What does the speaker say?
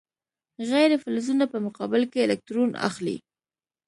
غیر فلزونه په مقابل کې الکترون اخلي.